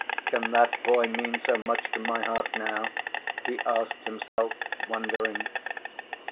"Can that boy mean so much to my heart now?" he asked himself, wondering.